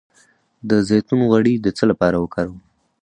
د زیتون غوړي د څه لپاره وکاروم؟